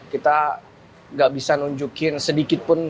kita gak bisa nunjukin sedikit pun